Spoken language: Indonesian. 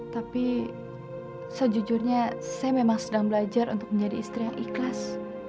tapi sejujurnya saya memang sedang belajar untuk menjadi istri yang ikhlas